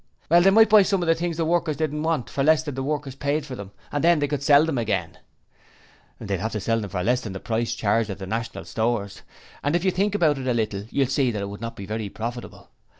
'Well, they might buy some of the things the workers didn't want, for less than the workers paid for them, and then they could sell 'em again.' 'They'd have to sell them for less than the price charged at the National Stores, and if you think about it a little you'll see that it would not be very profitable.